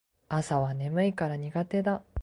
朝は眠いから苦手だ